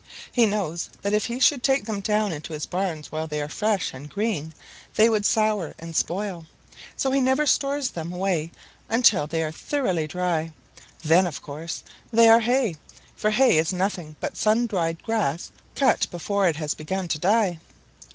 He knows that if he should take them down into his barns while they are fresh and green they would sour and spoil; so he never stores them away until they are thoroughly dry. Then, of course, they are hay, for hay is nothing but sun dried grass cut before it has begun to die.